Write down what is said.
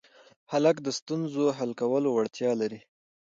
هلک د ستونزو حل کولو وړتیا لري.